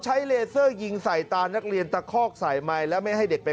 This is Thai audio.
เลเซอร์ยิงใส่ตานักเรียนตะคอกใส่ไมค์แล้วไม่ให้เด็กไป